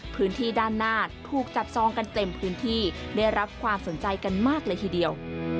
พื้นที่ด้านหน้าถูกจับจองกันเต็มพื้นที่ได้รับความสนใจกันมากเลยทีเดียว